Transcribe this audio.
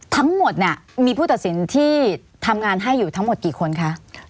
ทั้งหมดเนี่ยมีผู้ตัดสินที่ทำงานให้อยู่ทั้งหมดกี่คนคะ